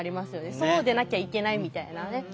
そうでなきゃいけないみたいなね。